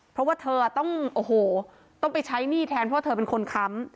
เพราะว่าเธอต้องโอ้โหต้องไปใช้หนี้แทนเพราะเธอเป็นคนค้ำ